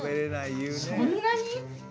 そんなに？